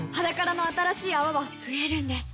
「ｈａｄａｋａｒａ」の新しい泡は増えるんです